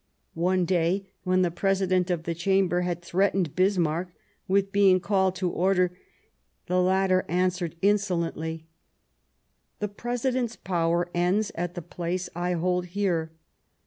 One day, when the President of the Chamber had threatened Bismarck with being called to order, the latter answered insolently :" The President's power ends at the place I hold here.